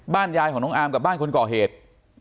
ยายของน้องอามกับบ้านคนก่อเหตุ